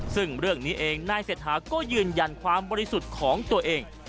ซึ่งเรื่องนี้เองนายเศรษฐาก็ยืนยันความบริสุทธิ์ของตัวเอง